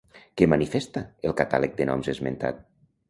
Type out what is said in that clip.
Què manifesta, el catàleg de noms esmentat?